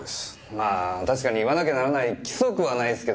まぁ確かに言わなきゃならない規則はないすけど普通はね。